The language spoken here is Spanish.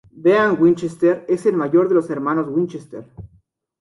Dean Winchester es el mayor de los hermanos Winchester.